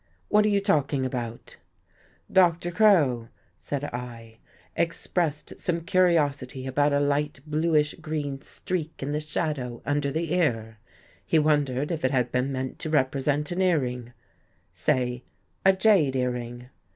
"What are you talking about? "" Dr. Crow," said I, " expressed some curiosity about a light bluish green streak in the shadow under the ear. He wondered if it had been meant to represent an earring — say a jade earring."